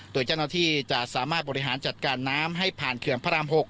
โดยเจ้าหน้าที่จะสามารถบริหารจัดการน้ำให้ผ่านเขื่อนพระราม๖